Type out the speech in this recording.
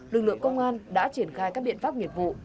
lực lượng công an đã triển khai các biện pháp nghiệp vụ